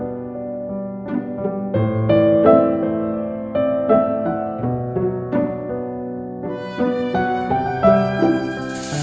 aku barisan bareng bareng aku dulu ya